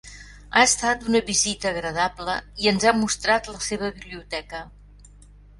Ha estat una visita agradable i ens ha mostrat la seva biblioteca.